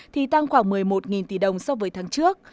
thì tăng khoảng một mươi một tỷ đồng so với tháng trước